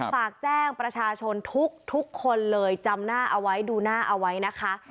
ฝากแจ้งประชาชนทุกคนเลยจำหน้าเอาไว้ดูหน้าเอาไว้นะคะ